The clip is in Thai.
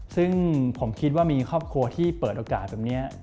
ซึ่งผมคิดว่ามีครอบครัวที่เปิดโอกาสแบบนี้